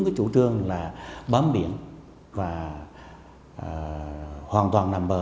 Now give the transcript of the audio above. cái chủ trương là bám biển và hoàn toàn nằm bờ